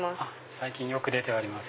最近よく出ております。